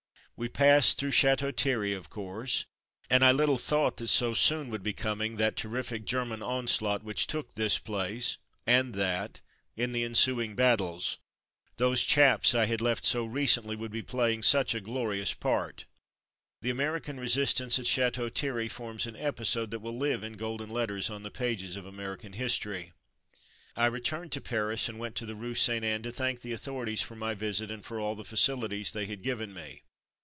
We passed through Chateau Thierry, of course, and I little thought that so soon would be coming that terrific German onslaught which took this place, and that, in the ensuing battles, those chaps I had left so recently would be playing such a glorious part. The Ameri can resistance at Chateau Thierry forms an episode that will live in golden letters on the pages of American history. I returned to Paris and went to the Rue St. Anne to thank the authorities for my visit and for all the facilities they had given me.